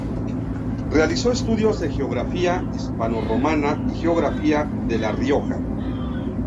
Realizó estudios de geografía hispanorromana y geografía de La Rioja.